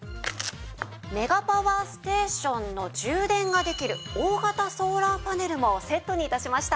メガパワーステーションの充電ができる大型ソーラーパネルもセットに致しました。